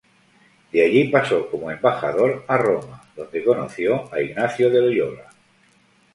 De allí pasó como embajador a Roma, donde conoció a Ignacio de Loyola.